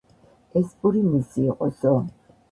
ეს პური მისი იყოსო.